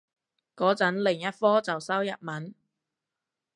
個陣另一科就修日文